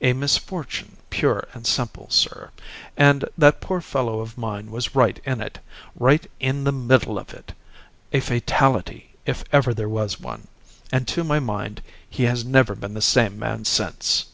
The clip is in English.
A misfortune, pure and simple, sir. And that poor fellow of mine was right in it right in the middle of it! A fatality, if ever there was one and to my mind he has never been the same man since."